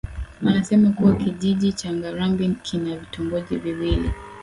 Anasema kuwa Kijiji cha Ngarambi kina vitongoji viwili